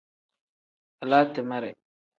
Alaa timere.